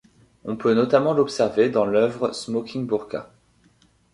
On peut notamment l'observer dans l'oeuvre Smoking Burqa.